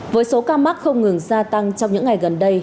với số ca mắc không ngừng gia tăng trong những ngày gần đây